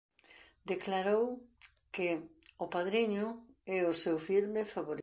Declarou que "O padriño" é o seu filme favorito.